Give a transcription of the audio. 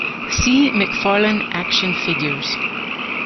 See McFarlane Action Figures.